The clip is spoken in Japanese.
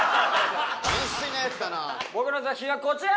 僕の作品はこちら！